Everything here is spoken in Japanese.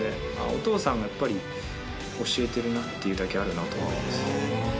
お父さんがやっぱり教えてるなっていうだけあるなとは思います。